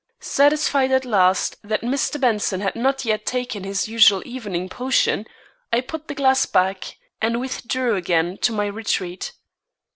Satisfied at last that Mr. Benson had not yet taken his usual evening potion, I put the glass back and withdrew again to my retreat.